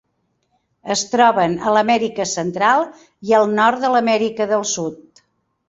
Es troben a l'Amèrica Central i al nord de l'Amèrica del Sud.